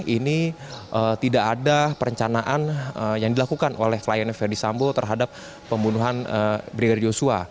ini tidak ada perencanaan yang dilakukan oleh klien ferdisambo terhadap pembunuhan brigadir yosua